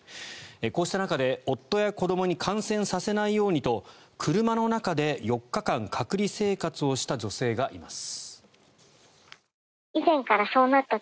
こうした中で夫や子どもに感染させないように車の中で４日間隔離生活をした女性がいます。